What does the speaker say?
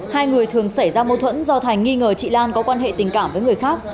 hai người thường xảy ra mâu thuẫn do thành nghi ngờ chị lan có quan hệ tình cảm với người khác